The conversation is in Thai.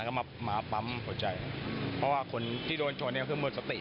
แล้วก็มาพัมพ์หัวใจเพราะว่าคนที่โดนโชว์เนี่ยก็มันมืดสติไปเลยนะ